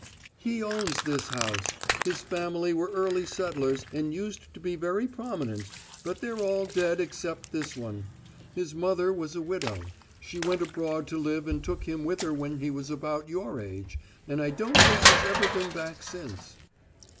"He owns this house. His family were early settlers and used to be very prominent, but they're all dead except this one. His mother was a widow; she went abroad to live and took him with her when he was about your age, and I don't think he's ever been back since."